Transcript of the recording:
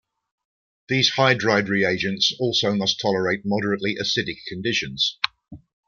These hydride reagents also must tolerate moderately acidic conditions.